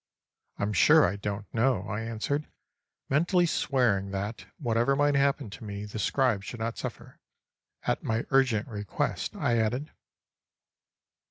—"I'm sure I don't know," I answered; mentally swearing that, whatever might happen to me the scribe should not suffer. "At my urgent request," I added.